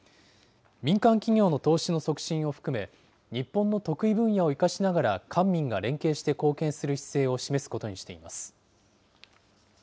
民間企業の投資の促進を含め、日本の得意分野を生かしながら官民が連携して貢献する姿勢を示すことにしています。